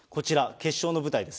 決勝の舞台です。